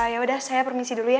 ya udah saya permisi dulu ya